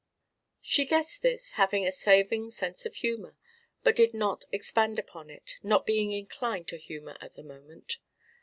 She guessed this, having a saving sense of humour, but did not expand upon it, not being inclined to humour at the moment.